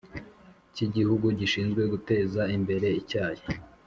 cy Igihugu gishinzwe guteza imbere Icyayi